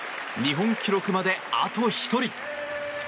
日本記録まであと１人。